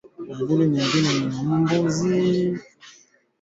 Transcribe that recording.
Dalili nyingine ni mbuzi dume kuapata ugumba